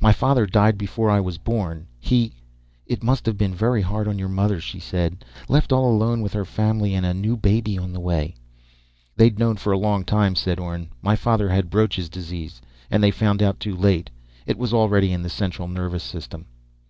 "My father died before I was born. He " "It must've been very hard on your mother," she said. "Left all alone with her family ... and a new baby on the way." "They'd known for a long time," said Orne. "My father had Broach's disease, and they found out too late. It was already in the central nervous system."